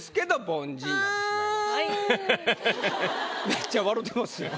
めっちゃ笑てますよ。